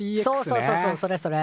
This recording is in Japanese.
そうそうそうそうそれそれ。